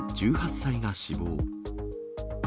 １８歳が死亡。